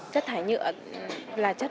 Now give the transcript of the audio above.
chất thải nhựa là chất